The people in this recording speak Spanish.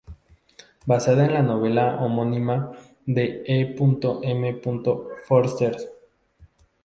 Basada en la novela homónima de E. M. Forster.